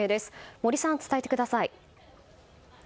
森さん、伝えてください。